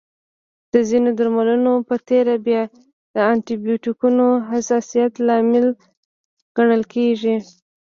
د ځینو درملنو په تېره بیا د انټي بایوټیکونو حساسیت لامل ګڼل کېږي.